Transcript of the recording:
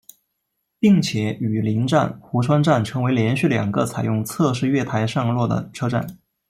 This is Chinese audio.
并且与邻站壶川站成为连续两个采用侧式月台上落的车站。